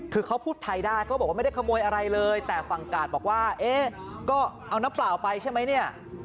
คือเขาพูดไทยได้เขาบอกว่าไม่ได้ขโมยอะไรเลยแต่ฝั่งกาดบอกว่าเอ๊ะก็เอาน้ำเปล่าไปใช่ไหมเนี่ย